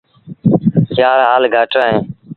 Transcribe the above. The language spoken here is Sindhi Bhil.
يآر هآل گھٽ اهي۔